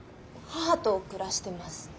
母と暮らしてます。